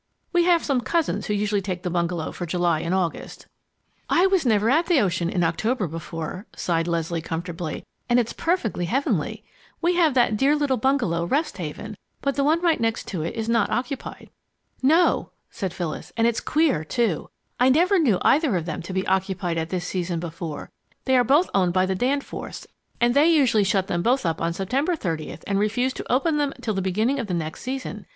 We have some cousins who usually take the bungalow for July and August." "I never was at the ocean in October before," sighed Leslie, comfortably, "and it's perfectly heavenly! We have that dear little bungalow, Rest Haven, but the one right next to it is not occupied." "No," said Phyllis, "and it's queer, too. I never knew either of them to be occupied at this season before. They are both owned by the Danforths, and they usually shut them both up on September 30 and refuse to open them till the beginning of the next season.